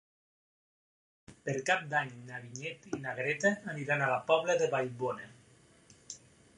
Per Cap d'Any na Vinyet i na Greta aniran a la Pobla de Vallbona.